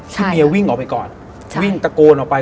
พี่เมียวิ่งออกไปก่อนวิ่งตะโกนออกไป